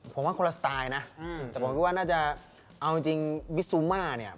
ผมว่าคนละสไตล์นะแต่ผมคิดว่าน่าจะเอาจริงบิซูมาเนี่ย